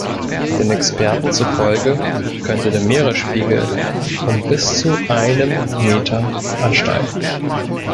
Den Experten zufolge könnte der Meeresspiegel um bis zu einem Meter ansteigen.